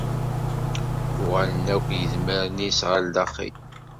Uɣalen akk yedmaren-is ɣer daxel.